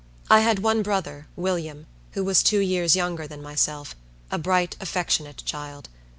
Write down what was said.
I had one brother, William, who was two years younger than myself—a bright, affectionate child.